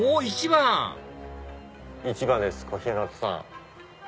１番です小日向さん。